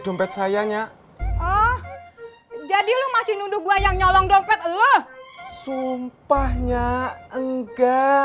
bang patah inismelet